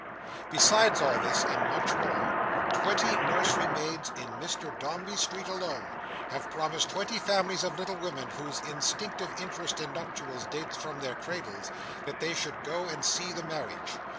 Besides all this, and much more, twenty nursery maids in Mr Dombey's street alone, have promised twenty families of little women, whose instinctive interest in nuptials dates from their cradles, that they shall go and see the marriage.